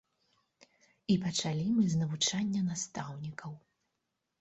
І пачалі мы з навучання настаўнікаў.